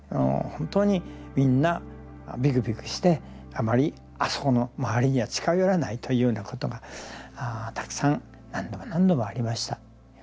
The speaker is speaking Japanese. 本当にみんなびくびくしてあまりあそこの周りには近寄らないというようなことがたくさん何度も何度もありました。